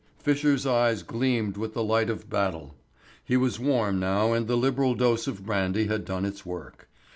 Fisher's eyes gleamed with the light of battle. He was warm now and the liberal dose of brandy had done its work.